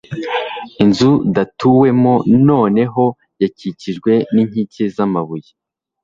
inzudatuwemo noneho yakikijwe n'inkike z'amabuye